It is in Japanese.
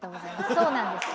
そうなんですよ。